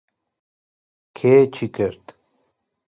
کێ چی کرد؟